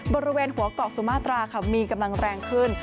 บริเวณหัวเกาะสุมาตราค่ะมีกำลังแรงขึ้น